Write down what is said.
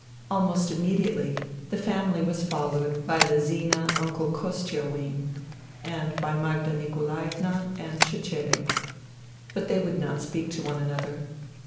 Almost immediately, the family was followed by the Zina Uncle Kostia wing, and by Magda Nikolaevna and Ce^edek. But they would not speak to one another.